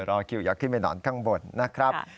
รอคิวอย่าขึ้นไปนอนข้างบนนะครับ